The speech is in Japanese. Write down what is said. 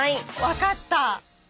分かった！